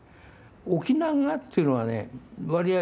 沖縄側っていうのは割合